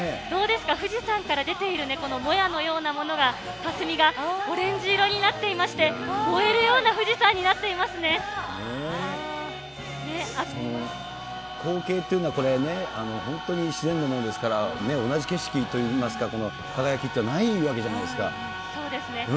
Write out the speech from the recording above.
どうですか、富士山から出ているこのもやのようなものが、かすみが、オレンジ色になっていまして、燃えるような富士山になっていま光景っていうのは、これね、本当に自然のものですから、同じ景色といいますか、輝きってそうですね。